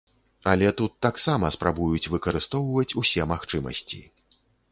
Але тут таксама спрабуюць выкарыстоўваць усе магчымасці.